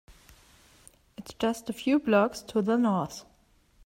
It’s just a few blocks to the North.